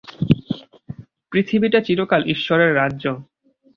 পৃথিবীটা চিরকাল ঈশ্বরের রাজ্য।